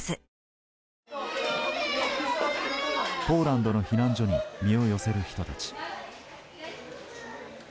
ポーランドの避難所に身を寄せる人たち。